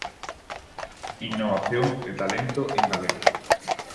Innovación e talento en galego.